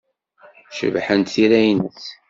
Cebḥent tira-nnes.